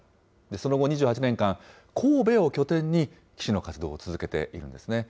その後２８年間、神戸を拠点に、棋士の活動を続けているんですね。